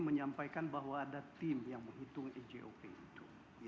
menyampaikan bahwa ada tim yang menghitung ijop itu